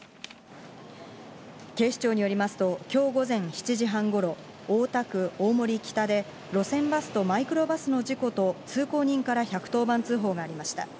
警視庁によりますと今日午前７時半頃、大田区大森北で路線バスとマイクロバスの事故と通行人から１１０番通報がありました。